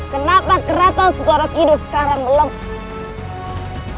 kenapa kerata sebuah rakido sekarang melempar